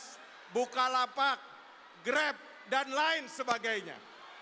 seperti alofresh bukalapak grab dan lain sebagainya